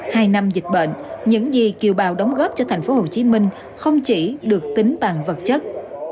hai năm dịch bệnh những gì kiều bào đóng góp cho thành phố hồ chí minh không chỉ được tính bằng vật chất